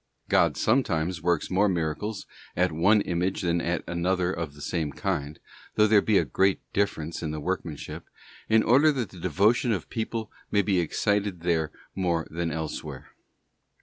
God sometimes works more miracles at one image than at another of the same kind—though there be a great difference in the workmanship—in order that the devotion of people may be excited there more than elsewhere.